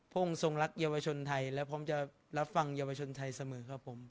องค์ทรงรักเยาวชนไทยและพร้อมจะรับฟังเยาวชนไทยเสมอครับผม